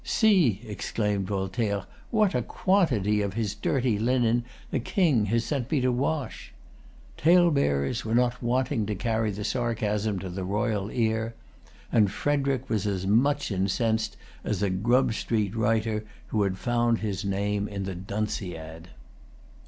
"See," exclaimed Voltaire, "what a quantity of his dirty linen the King has sent me to[Pg 290] wash!" Talebearers were not wanting to carry the sarcasm to the royal ear; and Frederic was as much incensed as a Grub Street writer who had found his name in the Dunciad.